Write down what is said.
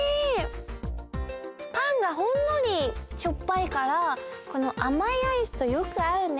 パンがほんのりしょっぱいからこのあまいアイスとよくあうね！